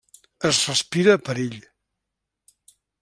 Es respira perill.